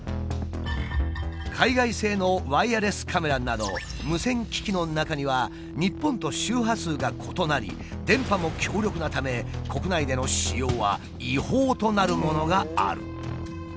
海外製のワイヤレスカメラなど無線機器の中には日本と周波数が異なり電波も強力なため国内での使用は違法となるものがある。